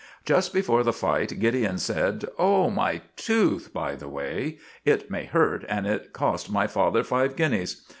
Just before the fight Gideon said: "Oh! my tooth, by the way. It may be hurt, and it cost my father five guineas."